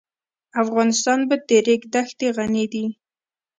افغانستان په د ریګ دښتې غني دی.